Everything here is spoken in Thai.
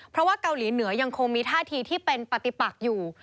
เพราะว่าเกาหลีเหนือยังคงมีท่าทีที่เป็นปฏิปักอยู่